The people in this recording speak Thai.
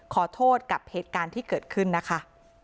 ขอโทษกับเหตุการณ์ที่เกิดขึ้นนะคะ